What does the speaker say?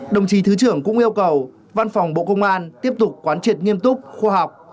đồng chí thứ trưởng cũng yêu cầu văn phòng bộ công an tiếp tục quán triệt nghiêm túc khoa học